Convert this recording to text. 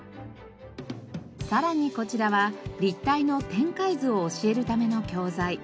さらにこちらは立体の展開図を教えるための教材。